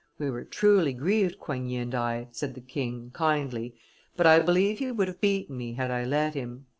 "We were truly grieved, Coigny and I," said the king, kindly, "but I believe he would have beaten me had I let him."